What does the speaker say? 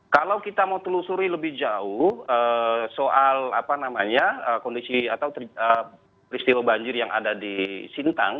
kalau kita mau telusuri lebih jauh soal kondisi atau peristiwa banjir yang ada di sintang